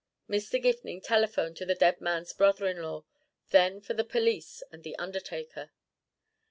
Mr. Gifning telephoned to the dead man's brother in law, then for the police and the undertaker.